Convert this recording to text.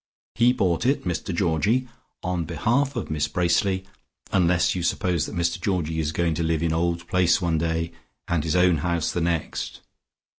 He bought it Mr Georgie on behalf of Miss Bracely, unless you suppose that Mr Georgie is going to live in Old Place one day and his own house the next.